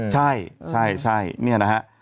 ใช่ใช่เนี่ยนะฮะ